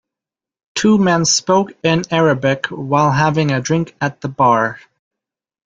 Two men spoke in Arabic while having a drink at the bar.